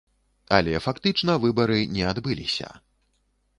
Але фактычна выбары не адбыліся.